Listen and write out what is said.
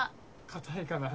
硬いかな？